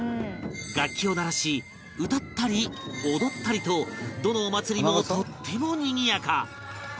楽器を鳴らし歌ったり踊ったりとどのお祭りもとってもにぎやか